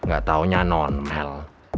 gak taunya non mel